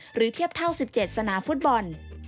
หรือเทียบเท่า๑๗สนาฟุตบอล